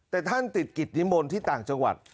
แต่ท่านติดกิจนิมนต์ที่ต่างจังหวัด